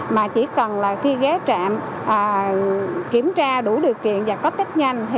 mà chỉ cần khi ghé trạm kiểm tra đủ điều kiện và có cách nhanh